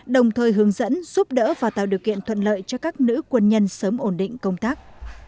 đồng thời hướng dẫn giúp đỡ và tạo điều kiện thuận lợi cho các nữ quân nhân sớm ổn định công tác